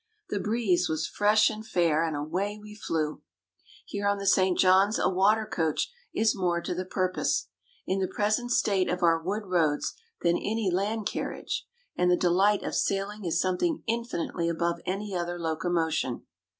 The breeze was fresh and fair; and away we flew. Here, on the St. John's, a water coach is more to the purpose, in the present state of our wood roads, than any land carriage; and the delight of sailing is something infinitely above any other locomotion.